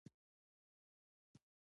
مېلې د کوچنيانو د ذهني ودي له پاره مهمي دي.